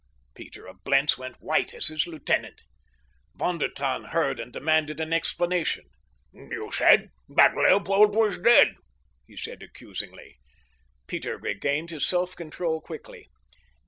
Peter of Blentz went white as his lieutenant. Von der Tann heard and demanded an explanation. "You said that Leopold was dead," he said accusingly. Peter regained his self control quickly.